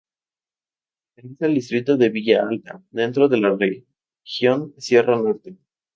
Pertenece al distrito de Villa Alta, dentro de la región sierra norte.